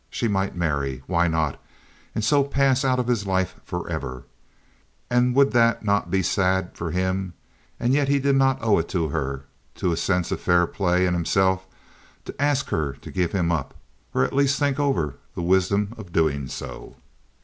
She might marry. Why not, and so pass out of his life forever. And would not that be sad for him? And yet did he not owe it to her, to a sense of fair play in himself to ask her to give him up, or at least think over the wisdom of doing so?